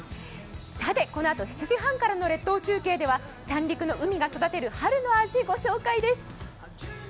さてこのあと、７時半からの列島中継では三陸の海が育てる春の味御紹介です。